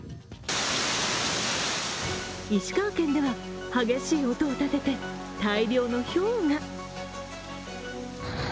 石川県では、激しい音をたてて大量のひょうが。